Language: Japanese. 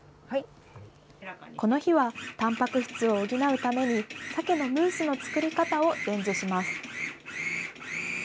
この日は、たんぱく質を補うために、サケのムースの作り方を伝授します。